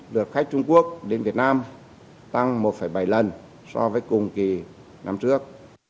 lượt khách trung quốc đến việt nam tăng một bảy lần so với cùng kỳ năm trước